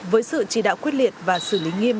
với sự chỉ đạo quyết liệt và xử lý nghiêm